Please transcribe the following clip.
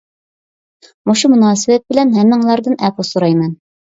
مۇشۇ مۇناسىۋەت بىلەن ھەممىڭلاردىن ئەپۇ سورايمەن.